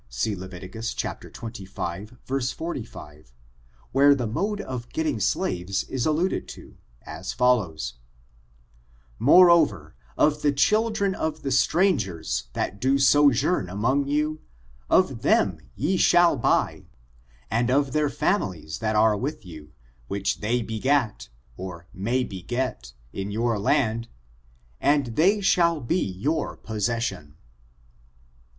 See Levit. zzv, 45, where the mode of getting slaves is alluded to, as follows: '"Moreover, of the children of the strangers that do sojourn among you, ofihem s^all ye buy, and of their /amt7ietf that are with you, which they begat [or may beget] in your land, and they shall be your possession."